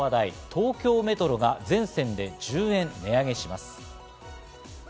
東京メトロが全線で１０円値上げします。